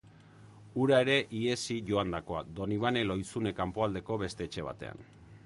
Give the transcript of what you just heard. Hura ere ihesi joandakoa, Donibane Lohizune kanpoaldeko beste etxe batean...